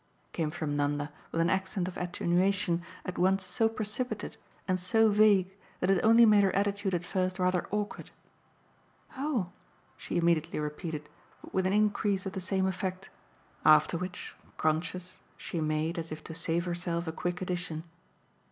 came from Nanda with an accent of attenuation at once so precipitate and so vague that it only made her attitude at first rather awkward. "Oh!" she immediately repeated, but with an increase of the same effect. After which, conscious, she made, as if to save herself, a quick addition.